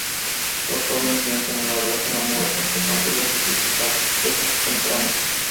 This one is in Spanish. Los jóvenes inician una relación amorosa a pesar de las dificultades que esto entraña.